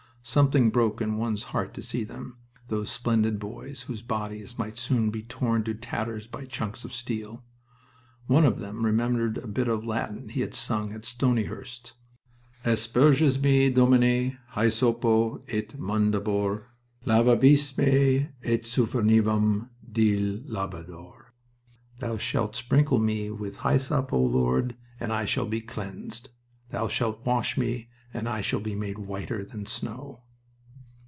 Something broke in one's heart to see them, those splendid boys whose bodies might soon be torn to tatters by chunks of steel. One of them remembered a bit of Latin he had sung at Stonyhurst: "Asperges me, Domine, hyssopo, et mundabor; lavabis me, et super nivem dealbabor." ("Thou shalt sprinkle me with hyssop, O Lord, and I shall be cleansed; thou shalt wash me, and I shall be made whiter than snow.")